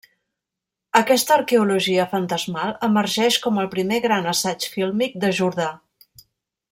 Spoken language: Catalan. Aquesta arqueologia fantasmal emergeix com el primer gran assaig fílmic de Jordà.